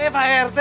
eh pak rt